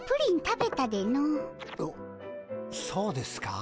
そうですか？